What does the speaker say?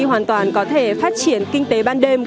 hoàn toàn có thể phát triển kinh tế ban đêm